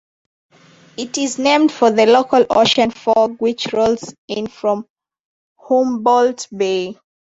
It is named for the local ocean fog which rolls in from Humboldt Bay.